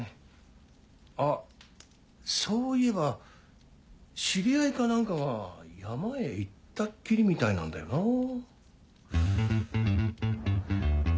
あそういえば知り合いか何かが山へ行ったっきりみたいなんだよな。